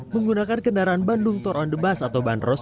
menggunakan kendaraan bandung tour on the bus atau bandros